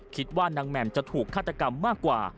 คิดว่านางแหม่มจะถูกฆาตกรรมมากกว่า